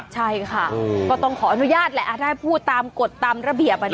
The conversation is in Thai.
ใช่ค่ะก็ต้องขออนุญาตแหละถ้าพูดตามกฎตามระเบียบ